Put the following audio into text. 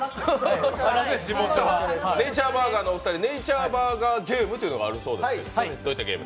ネイチャーバーガーのお二人、「ネイチャーバーガーゲーム」というのがあるそうですが、どういったゲーム？